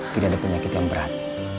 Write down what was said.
tidak ada penyakit yang berat